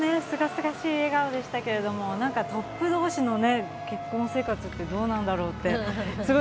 すがすがしい笑顔でしたけど、トップ同士の結婚生活ってどうなんだろうって。